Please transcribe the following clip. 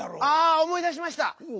あおもい出しました！